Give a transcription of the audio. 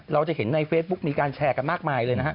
เราจะเห็นในเฟซบุ๊กมีการแชร์กันมากมายเลยนะฮะ